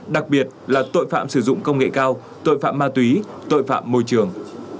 đặc biệt là tội phạm sử dụng công nghệ cao tội phạm ma túy tội phạm môi trường